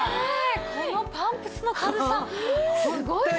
このパンプスの軽さすごいですよね。